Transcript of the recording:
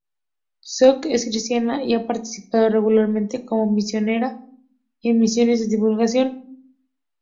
Scott es cristiana y ha participado regularmente como misionera y en misiones de divulgación.